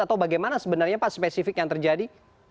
atau bagaimana sebenarnya pak spesifik yang terjadi